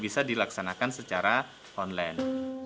bisa dilaksanakan secara online